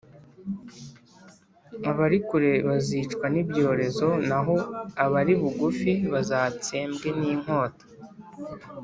Abari kure bazicwa n’ibyorezo, naho abari bugufi bazatsembwe n’inkota